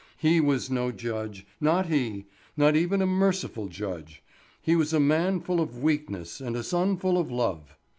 He was no judge, not he; not even a merciful judge; he was a man full of weakness and a son full of love.